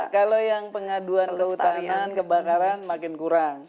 kalau yang pengaduan kehutanan kebakaran makin kurang